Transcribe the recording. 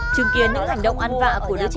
chứng kiến những hành động ăn vạ của đứa trẻ